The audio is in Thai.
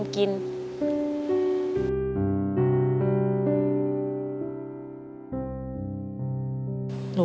ผมคิดว่าสงสารแกครับ